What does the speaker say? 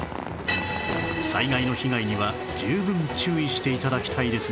災害の被害には十分注意して頂きたいですが